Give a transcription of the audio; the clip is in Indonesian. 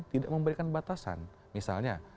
tidak memberikan batasan misalnya